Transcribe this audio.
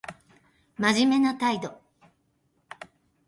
真面目な態度